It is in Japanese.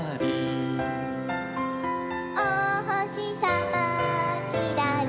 「お星さまきらり」